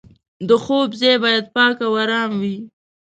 د خوب ځای باید پاک او ارام وي.